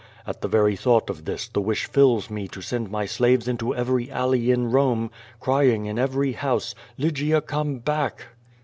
At the very thought of this, the wish fills me to send my slaves into every alley in Kome, crying in every house, "Lygia, come back!''